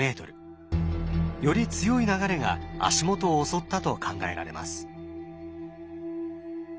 より強い流れが足元を襲ったと考えられます。